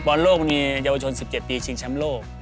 บอลโลกมีเยาวชน๑๗ปีชิงแชมป์โลก